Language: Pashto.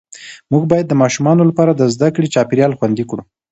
موږ باید د ماشومانو لپاره د زده کړې چاپېریال خوندي کړو